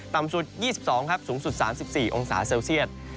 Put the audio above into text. ต่ำสุด๒๒ครับสูงสุด๓๔องศาเซลเซียต